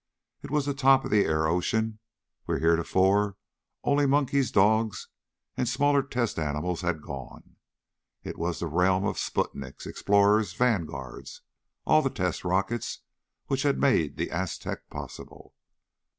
It was the top of the air ocean where, heretofore, only monkeys, dogs and smaller test animals had gone. It was the realm of Sputniks ... Explorers ... Vanguards all the test rockets which had made the Aztec possible.